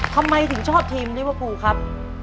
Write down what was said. ทำไมถึงชอบทีมลิเวอร์พูลครับ